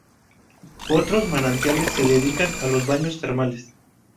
Otros manantiales se dedican a los baños termales.